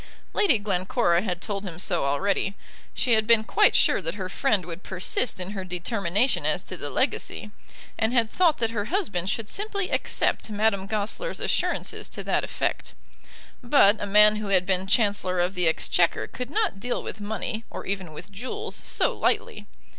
"] Lady Glencora had told him so already. She had been quite sure that her friend would persist in her determination as to the legacy, and had thought that her husband should simply accept Madame Goesler's assurances to that effect. But a man who had been Chancellor of the Exchequer could not deal with money, or even with jewels, so lightly.